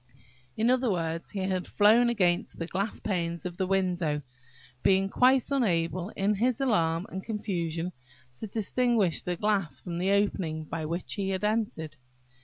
In other words, he had flown against the glass panes of the window, being quite unable, in his alarm and confusion, to distinguish the glass from the opening by which he had entered.